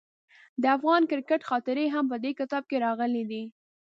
د افغان کرکټ خاطرې هم په دې کتاب کې راغلي دي.